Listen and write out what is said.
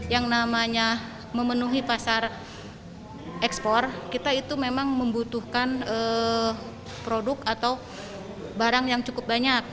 yang namanya memenuhi pasar ekspor kita itu memang membutuhkan produk atau barang yang cukup banyak